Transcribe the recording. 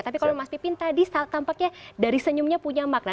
tapi kalau mas pipin tadi tampaknya dari senyumnya punya makna